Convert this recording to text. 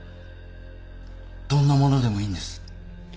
どんなものでもいいんです。